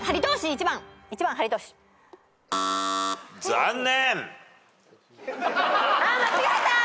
残念！